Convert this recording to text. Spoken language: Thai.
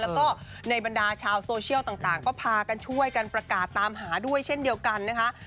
แล้วก็ในบรรดาชาวโซเชียลต่างก็พากันช่วยกันประกาศตามหาด้วยเช่นเดียวกันนะคะ